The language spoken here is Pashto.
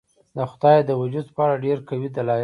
د خدای د وجود په اړه ډېر قوي دلایل شته.